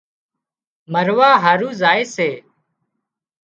مۯوا هارو زائي سي